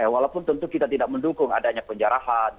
walaupun tentu kita tidak mendukung adanya penjarahan